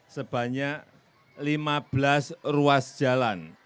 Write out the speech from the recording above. sebanyak lima belas ruas jalan